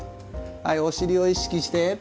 はいお尻を意識して。